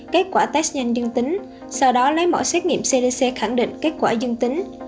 kết quả test nhanh dương tính sau đó lấy mẫu xét nghiệm cdc khẳng định kết quả dương tính